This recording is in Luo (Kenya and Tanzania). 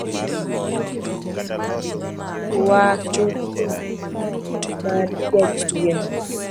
Wake teko mar jachien